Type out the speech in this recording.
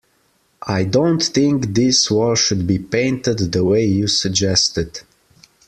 I don't think this wall should be painted the way you suggested.